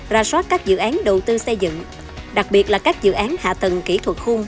ra soát các dự án đầu tư xây dựng đặc biệt là các dự án hạ tầng kỹ thuật khung